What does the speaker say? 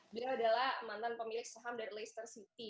beliau adalah mantan pemilik saham dari leicester city